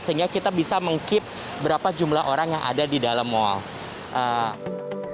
sehingga kita bisa mengkip berapa jumlah orang yang ada di dalam mall